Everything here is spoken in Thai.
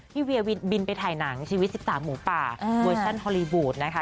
เวียบินไปถ่ายหนังชีวิต๑๓หมูป่าเวอร์ชั่นฮอลลีวูดนะคะ